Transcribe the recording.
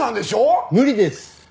無理です！